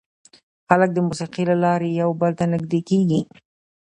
خلک د موسیقۍ له لارې یو بل ته نږدې کېږي.